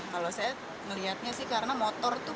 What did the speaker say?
kalau saya melihatnya sih karena motor itu